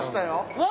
うわ。